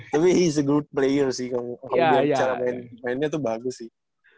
tapi he s a good player sih kalau dia cara main mainnya tuh bagus sih